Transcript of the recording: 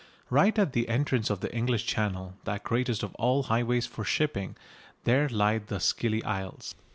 67] Right at the entrance to the English Channel, that greatest of all highways for shipping, there lie the Scilly Isles.